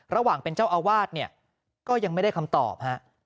ระหว่างเป็นเจ้าอาวาสเนี่ยก็ยังไม่ได้คำตอบฮะ